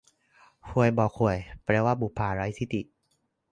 ฮวยบ่อข่วย แปลว่าบุปผาไร้ที่ติ